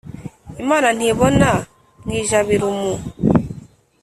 imana ntibona mu ijabiro umu!